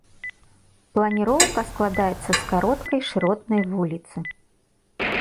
Планіроўка складаецца з кароткай шыротнай вуліцы.